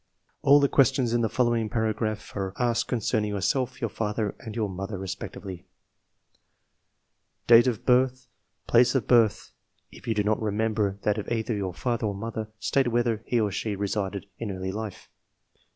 All the questions in the following paragraph are asked concerning yourself, your father, and your mother respectively :— Date of the birth of? Place of the birth of (if you do not remember that of either your father or mother, state where he or she resided in early life)